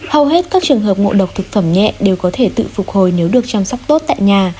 hầu hết các trường hợp ngộ độc thực phẩm nhẹ đều có thể tự phục hồi nếu được chăm sóc tốt tại nhà